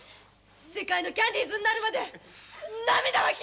世界のキャンディーズになるまで涙は禁物よ。